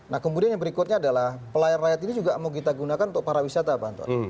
nah kemudian yang berikutnya adalah pelayan rakyat ini juga mau kita gunakan untuk para wisata pak anton